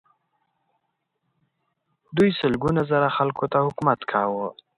دوی سلګونه زره خلکو ته حکومت کاوه.